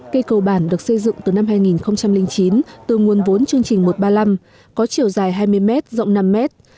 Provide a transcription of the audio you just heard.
cây cầu bản được xây dựng từ năm hai nghìn chín từ nguồn vốn chương trình một trăm ba mươi năm có chiều dài hai mươi mét rộng năm mét